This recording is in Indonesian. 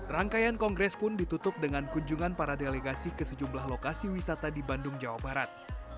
rangkaian kongres pun ditutup dengan kunjungan para delegasi ke sejumlah lokasi wisata di bandung jawa barat